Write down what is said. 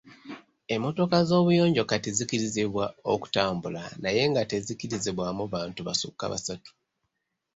Emmotoka ez'obuyonjo kati zikkirizibwa okutambula naye nga tezikkirizibwamu bantu basukka basatu.